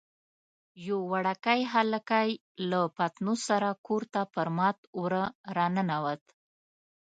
یو وړوکی هلکی له پتنوس سره کور ته پر مات وره راننوت.